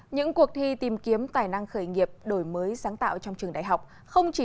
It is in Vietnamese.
những cuộc thi tìm kiếm tài năng khởi nghiệp đổi mới sáng tạo trong trường đại học không chỉ